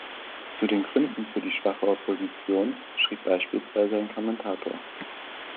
Zu den Gründen für die schwache Opposition schrieb beispielsweise ein Kommentator